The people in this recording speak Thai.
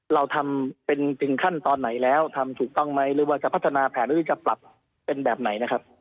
เราทำเป็นถึงขั้นตอนไหนแล้วทำถูกต้องไหมหรือว่าจะพัฒนาแผนหรือจะปรับเป็นแบบไหนนะครับ